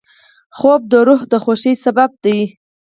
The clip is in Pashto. خوب د روح د خوښۍ سبب دی